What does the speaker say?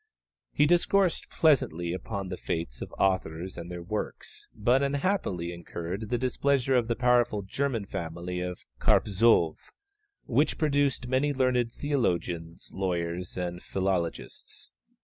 He discoursed pleasantly upon the fates of authors and their works, but unhappily incurred the displeasure of the powerful German family of Carpzov, which produced many learned theologians, lawyers, and philologists.